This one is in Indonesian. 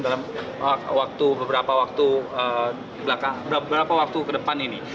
dalam beberapa waktu ke depan ini